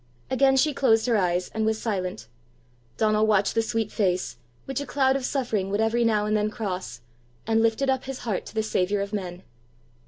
Again she closed her eyes, and was silent. Donal watched the sweet face, which a cloud of suffering would every now and then cross, and lifted up his heart to the saviour of men.